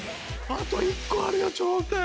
あと１個あるよ